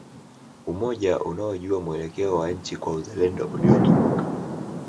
Umoja unaojua mwelekeo wa nchi kwa uzalendo uliotukuka